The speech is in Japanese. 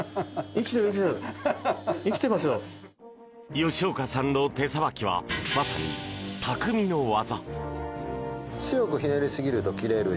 吉岡さんの手さばきはまさにたくみの技。